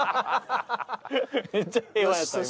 めっちゃ平和やった今。